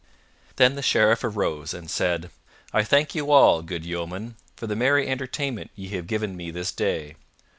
Then the Sheriff arose and said, "I thank you all, good yeomen, for the merry entertainment ye have given me this day.